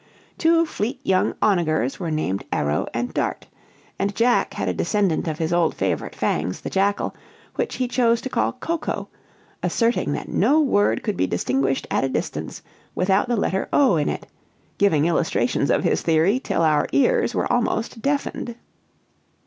Two fleet young onagers were named Arrow and Dart; and Jack had a descendant of his old favorite Fangs, the jackal, which he chose to call Coco, asserting that no word could be distinguished at a distance without the letter "o" in it, giving illustrations of his theory, till our ears were almost deafened.